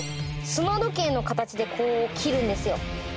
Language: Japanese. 砂時計の形でこう切るんですよ